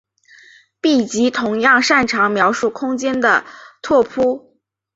闭集同样擅长描述空间的拓扑。